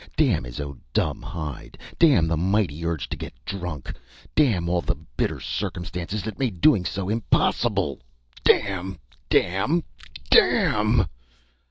Damn his own dumb hide! Damn the mighty urge to get drunk! Damn all the bitter circumstances that made doing so impossible. Damn! Damn! Damn!